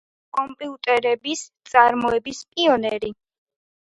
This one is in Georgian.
კომპიუტერების წარმოების პიონერი.